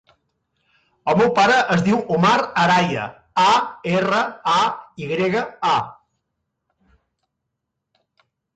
El meu pare es diu Omar Araya: a, erra, a, i grega, a.